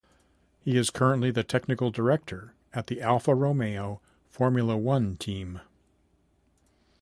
He is currently the technical director at the Alfa Romeo Formula One team.